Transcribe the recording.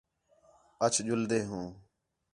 اَچ ڄُلدے ہوں